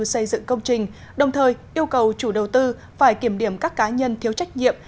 xây dựng công trình đồng thời yêu cầu chủ đầu tư phải kiểm điểm các cá nhân thiếu trách nhiệm